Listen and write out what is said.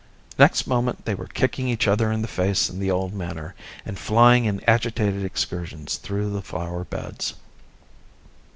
Next moment they were kicking each other in the face in the old manner, and flying in agitated excursions through the flower beds.